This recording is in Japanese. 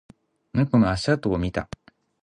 猫の足跡を見た